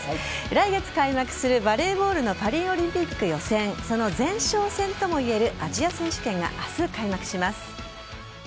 来月開幕するバレーボールのパリオリンピック予選その前哨戦ともいえるアジア選手権が明日、開幕します。